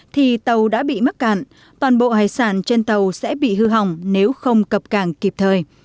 thì tàu đã bị mắc cạn toàn bộ hải sản trên tàu sẽ bị hư hỏng nếu không cập cảng kịp thời